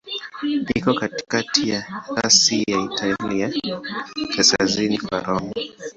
Iko katikati ya rasi ya Italia, kaskazini kwa Roma.